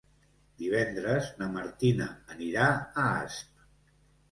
Divendres na Martina anirà a Asp.